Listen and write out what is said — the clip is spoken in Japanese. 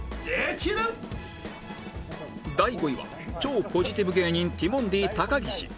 第５位は超ポジティブ芸人ティモンディ高岸